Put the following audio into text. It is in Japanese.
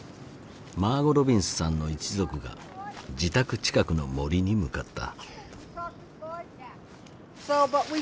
マーゴ・ロビンズさんの一族が自宅近くの森に向かった。